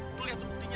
lo liat tuh kuncinya